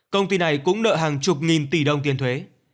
công ty này cũng nợ hàng chục nghìn tỷ đồng tiền thuế